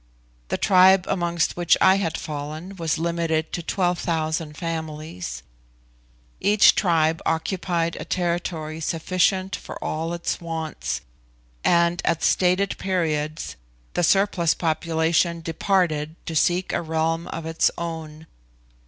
The tribe amongst which I had fallen was limited to 12,000 families. Each tribe occupied a territory sufficient for all its wants, and at stated periods the surplus population departed to seek a realm of its own.